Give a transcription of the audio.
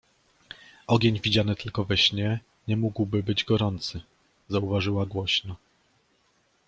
— Ogień widziany tylko we śnie nie mógłby być gorący! — zauważyła głośno.